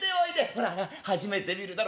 ほらほら初めて見るだろ？